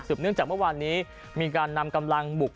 เนื่องจากเมื่อวานนี้มีการนำกำลังบุก